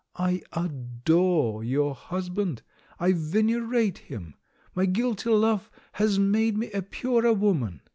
I adore your husband ; I venerate him ! My guilty love has made me a purer wom an.